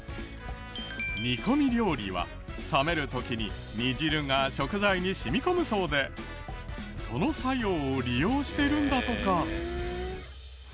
煮込み料理は冷める時に煮汁が食材に染み込むそうでその作用を利用してるんだとか。